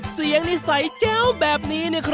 เสียงนิสัยเจ๊วแบบนี้